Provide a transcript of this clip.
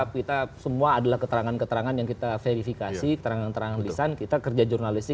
pdip harus diingatkan